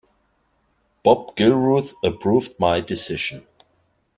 Bob Gilruth approved my decision.